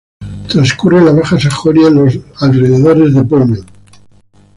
Transcurre en la Baja Sajonia, en los alrededores de Bremen.